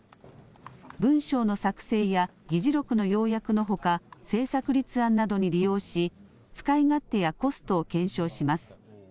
文章の作成や議事録の要約のほか、政策立案などに利用し、使い勝手やコストを検証します。